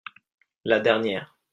La dernière.